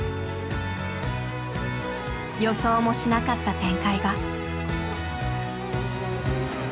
予想もしなかった展開が。